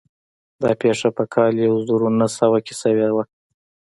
دا پېښه په کال يو زر و نهه سوه کې شوې وه.